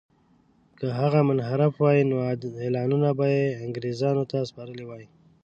که هغه منحرف وای نو اعلانونه به یې انګرېزانو ته سپارلي وای.